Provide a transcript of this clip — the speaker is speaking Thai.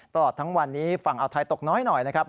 ตลอดทั้งวันนี้ฝั่งอ่าวไทยตกน้อยหน่อยนะครับ